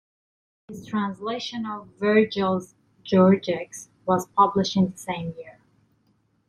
His translation of Virgil's "Georgics" was published in the same year.